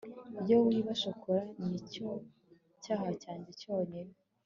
iyo kwiba shokora nicyo cyaha cyanjye cyonyine